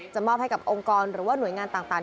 มอบให้กับองค์กรหรือว่าหน่วยงานต่าง